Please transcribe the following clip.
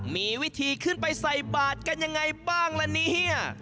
มีวิธีขึ้นไปใส่บาทกันยังไงบ้างละเนี่ย